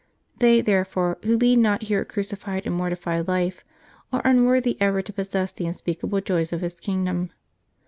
They, therefore, who lead not here a crucified and mortified life are unworthy ever to possess the unspeakable joys of His kingdom.